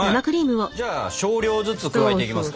じゃあ少量ずつ加えていきますか。